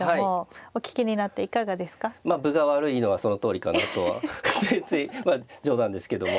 まあ分が悪いのはそのとおりかなとはついついまあ冗談ですけども。